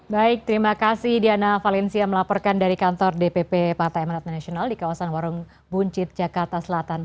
baik terima kasih diana valencia melaporkan dari kantor dpp partai emanat nasional di kawasan warung buncit jakarta selatan